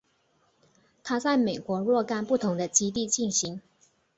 它在美国若干不同的基地进行。